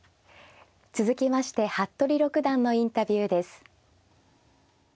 続きまして服部六段のインタビューです。